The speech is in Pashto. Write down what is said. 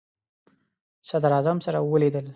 صدراعظم سره ولیدل.